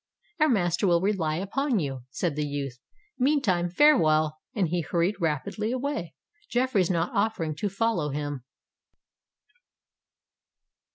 "Our master will rely upon you," said the youth. "Meantime farewell;"—and he hurried rapidly away, Jeffreys not offering to follow him.